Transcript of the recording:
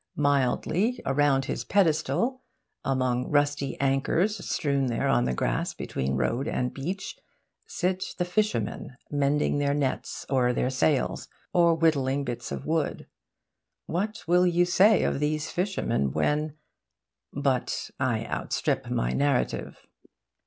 Mildly around his pedestal, among rusty anchors strewn there on the grass between road and beach, sit the fishermen, mending their nets or their sails, or whittling bits of wood. What will you say of these fishermen when but I outstrip my narrative.